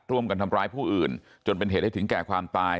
ร่วมกันทำร้ายผู้อื่นจนเป็นเหตุให้ถึงแก่ความตาย